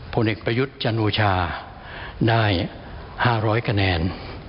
ผลเอกประยุทธ์จันโอชาได้๕๐๐คะแนน